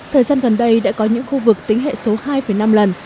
thời gian gần đây đã có những khu vực tính hệ số hai năm lần